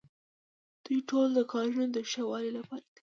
دوی ټول د کارونو د ښه والي لپاره دي.